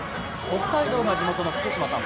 北海道が地元の福島さん